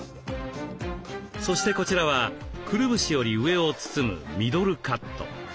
そしてこちらはくるぶしより上を包むミドルカット。